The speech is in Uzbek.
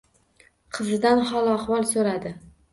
Qizidan hol-ahvol so‘radi